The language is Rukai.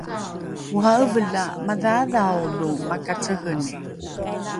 ora’eve la madhaadhao lo makaceheni